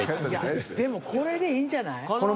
でもこれでいいんじゃない？